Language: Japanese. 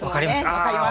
分かります。